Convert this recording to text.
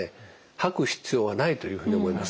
吐く必要はないというふうに思います。